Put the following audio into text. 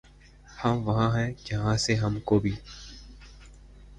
ہم وہاں ہیں جہاں سے ہم کو بھی